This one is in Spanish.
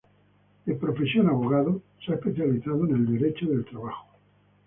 De profesión abogado, se ha especializado en el Derecho del Trabajo.